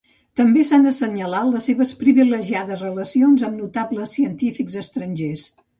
També s'han assenyalat les seves privilegiades relacions amb notables científics estrangers.